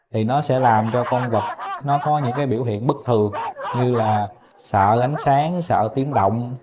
thì nó sẽ làm cho con vật nó có những cái biểu hiện bất thường như là sợ đánh sáng sợ tiếng động